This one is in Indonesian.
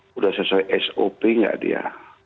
sudah sesuai sop nggak dia